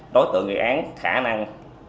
đối tượng ghi án khả năng